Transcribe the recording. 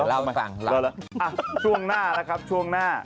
เอ้าพักกันก่อนพักกันก่อน